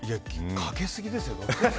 かけすぎですよ。